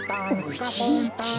おじいちゃん。